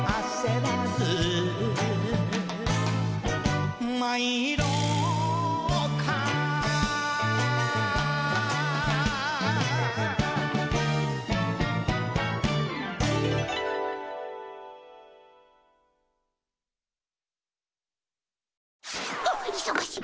はあいそがしい！